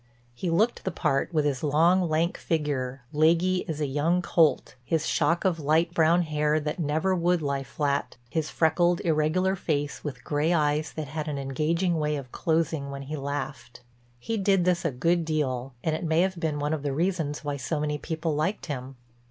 He looked the part with his long, lank figure, leggy as a young colt, his shock of light brown hair that never would lie flat, his freckled, irregular face with gray eyes that had an engaging way of closing when he laughed. He did this a good deal and it may have been one of the reasons why so many people liked him.